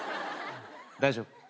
大丈夫。